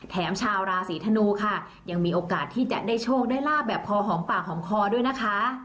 ชาวราศีธนูค่ะยังมีโอกาสที่จะได้โชคได้ลาบแบบพอหอมปากหอมคอด้วยนะคะ